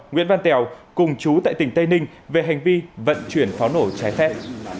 nguyễn văn tèo cùng chú tại tỉnh tây ninh về hành vi vận chuyển pháo nổ trái phép